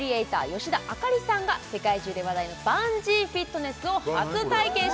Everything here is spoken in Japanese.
吉田朱里さんが世界中で話題のバンジーフィットネスを初体験します